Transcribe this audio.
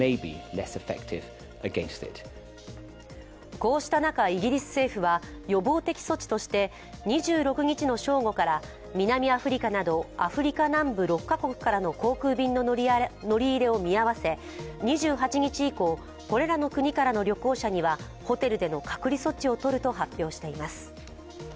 こうした中、イギリス政府は予防的措置として２６日の正午から南アフリカなどアフリカ南部６カ国からの航空便の乗り入れを見合わせ２８日以降、これらの国からの旅行者にはホテルでの隔離措置をとると発表しています。